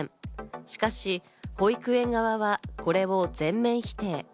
しかし保育園側はこれを全面否定。